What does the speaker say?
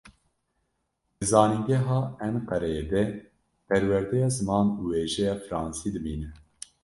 Di zanîngeha Enqereyê de, perwerdeya ziman û wêjeya fransî dibîne.